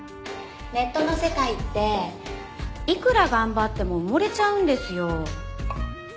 ネットの世界っていくら頑張っても埋もれちゃうんですよ。